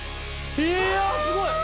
いやすごい。